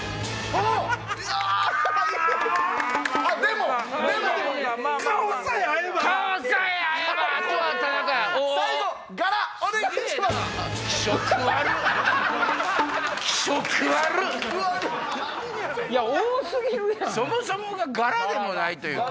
そもそもが柄でもない。